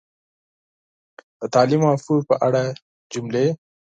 د تعلیم او پوهې په اړه جملې